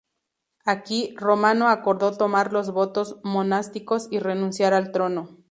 Aquí, Romano acordó tomar los votos monásticos y renunciar al trono.